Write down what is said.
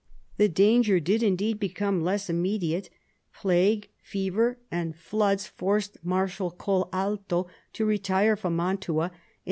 The danger did indeed become less immediate; plague, fever, and floods 204 CARDINAL DE RICHELIEU forced Marshal Colalto to retire from Mantua, and M.